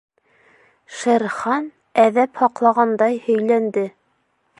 — Шер Хан әҙәп һаҡлағандай һөйләнде.